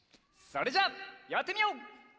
それじゃやってみよう！